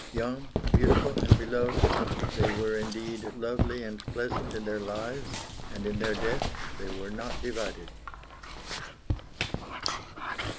Young, beautiful and beloved, they were indeed lovely and pleasant in their lives, and in their death they were not divided.